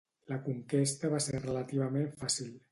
La conquesta va ser relativament fàcil.